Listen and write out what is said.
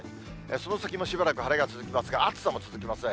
その先もしばらく晴れが続きますが、暑さも続きますね。